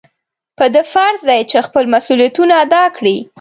په ده فرض دی چې خپل مسؤلیتونه ادا کړي.